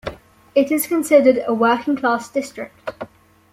It is considered a working class district.